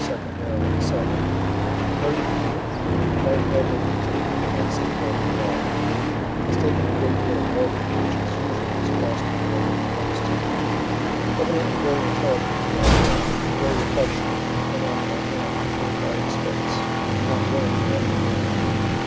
P., (2d Maryland, southern,) very feeble, right leg amputated, can't sleep hardly at all has taken a great deal of morphine, which, as usual, is costing more than it comes to. Evidently very intelligent and well bred very affectionate held on to my hand, and put it by his face, not willing to let me leave.